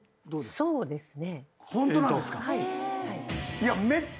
そうですね。